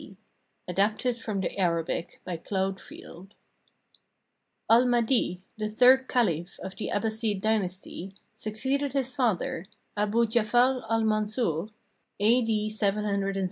d.] ADAPTED FROM THE ARABIC BY CLAUDE FIELD Al Mahdi, the third caliph of the Abbasside Dynasty, succeeded his father, Abu Jafar al Mansur, a.d.